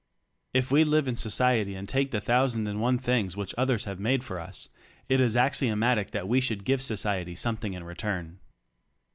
If we live in society and take the thousand and one things which others have made for us, it is axiomatic that we should give society something in return.